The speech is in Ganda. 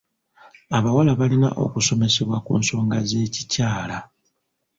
Abawala balina okusomesebwa ku nsonga z'ekikyala.